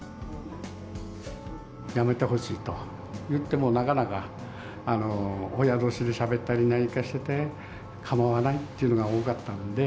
やめてほしいと言っても、なかなか親どうしでしゃべったり何かしてて、構わないっていうのが多かったので。